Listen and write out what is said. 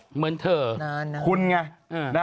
เหมือนเธอคุณไง